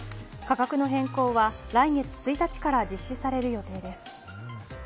価格の変更は、来月１日から実施される予定です。